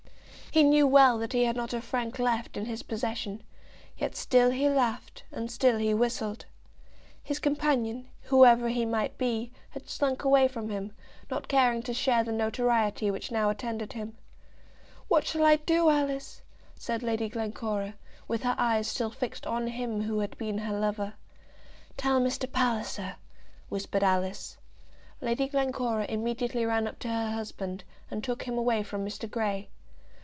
He knew well that he had not a franc left in his possession, but still he laughed and still he whistled. His companion, whoever he might be, had slunk away from him, not caring to share the notoriety which now attended him. "What shall I do, Alice?" said Lady Glencora, with her eyes still fixed on him who had been her lover. "Tell Mr. Palliser," whispered Alice. Lady Glencora immediately ran up to her husband, and took him away from Mr. Grey.